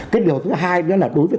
cái điều thứ hai nữa là đối với